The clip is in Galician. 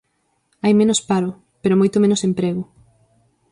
Hai menos paro, pero moito menos emprego.